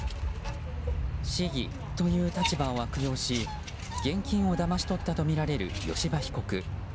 市議という立場を悪用し現金をだまし取ったとみられる吉羽被告。